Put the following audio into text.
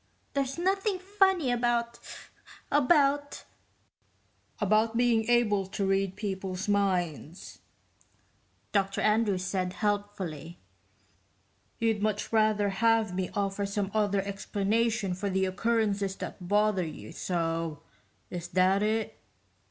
"There's nothing funny about ... about...." "About being able to read people's minds," Dr Andrews said helpfully. "You'd much rather have me offer some other explanation for the occurrences that bother you so is that it?"